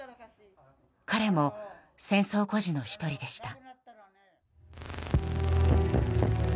彼も戦争孤児の１人でした。